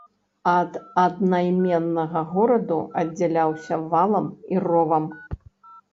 Ад аднайменнага гораду аддзяляўся валам і ровам.